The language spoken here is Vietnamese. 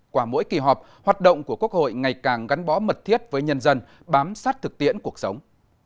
qua mỗi kỳ họp hoạt động của quốc hội ngày càng gắn bó mật thiết với nhân dân bám sát thực tiễn cuộc sống